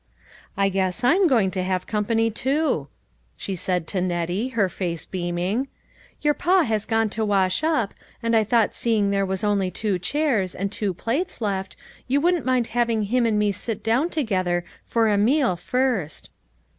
" I guess I'm going to have company too," she said to Nettie, her face beaming. " Your pa has gone to wash up, and I thought seeing there was only two chairs, and two plates left, you wouldn't mind having him and me sit down together, for a meal, first."